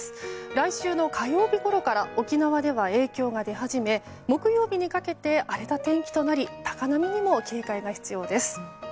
来週の火曜日ごろから沖縄では影響が出始め木曜日にかけて荒れた天気となり高波にも警戒が必要です。